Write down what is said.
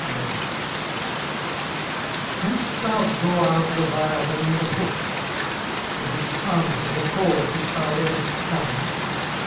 18:041:001 Canst thou draw out leviathan with an hook? or his tongue with a cord which thou lettest down?